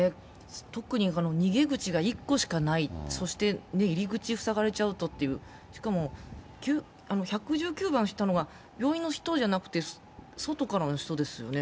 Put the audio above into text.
特に逃げ口が１個しかない、そして、入り口塞がれちゃうとって、しかも１１９番したのが、病院の人じゃなくって、外からの人ですよね。